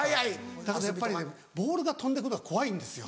ただやっぱりボールが飛んで来るのが怖いんですよ。